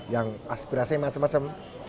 yang aspirasinya macam macam